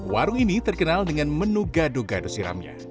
warung ini terkenal dengan menu gado gado siramnya